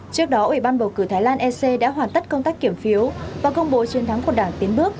trước đó ủy ban bầu cử thái lan ec đã hoàn tất công tác kiểm phiếu và công bố chiến thắng của đảng tiến bước